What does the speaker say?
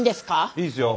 いいですよ。